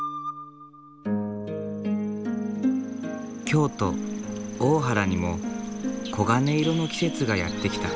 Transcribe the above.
京都・大原にも黄金色の季節がやって来た。